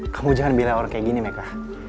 kamu jangan bilang orang kayak gini mereka